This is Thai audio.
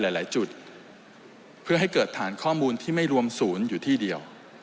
หลายจุดเพื่อให้เกิดฐานข้อมูลที่ไม่รวมศูนย์อยู่ที่เดียว